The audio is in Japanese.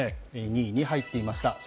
２位に入っていました。